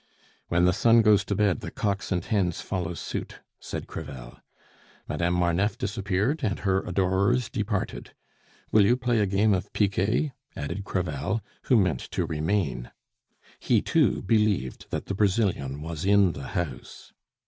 "When the sun goes to bed, the cocks and hens follow suit," said Crevel. "Madame Marneffe disappeared, and her adorers departed. Will you play a game of piquet?" added Crevel, who meant to remain. He too believed that the Brazilian was in the house.